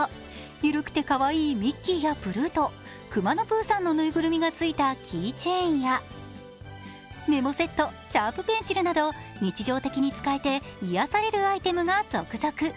緩くてかわいいミッキーやプルート、くまのプーさんの縫いぐるみがついたキーチェーンやメモセット、シャープペンシルなど日常的に使えて癒やされるアイテムが続々。